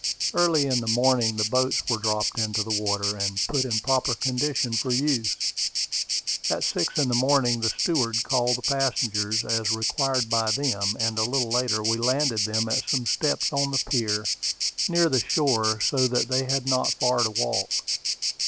Early in the morning the boats were dropped into the water, and put in proper condition for use. At six in the morning the steward called the passengers, as required by them, and a little later we landed them at some steps on the pier, near the shore, so that they had not far to walk.